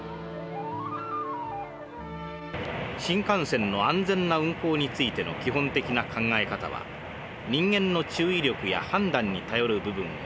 新幹線の安全な運行についての基本的な考え方は人間の注意力や判断に頼る部分をいかに少なくするかにある。